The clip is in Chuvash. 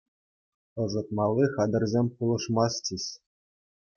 Ӑшӑтмалли хатӗрсем пулӑшмастчӗҫ.